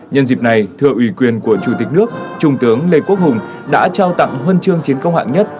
nhân dịp này thưa ủy quyền của chủ tịch nước trung tướng lê quốc hùng đã trao tặng huân chương chiến công hạng nhất